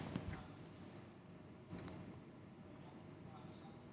pemerintah memberikan bantuan sosial kepada masyarakat sesuai aturan yang berlaku